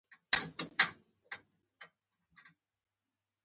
د هغه شعر د سلطان د عدالت او میړانې بیان کوي